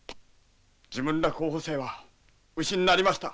自分ら候補生は牛になりました。